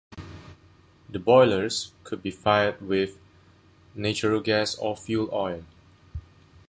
The boilers could be fired with natural gas or fuel oil.